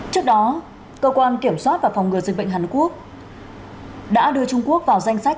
trước đó cơ quan kiểm soát và phòng ngừa dịch bệnh hàn quốc đã đưa trung quốc vào danh sách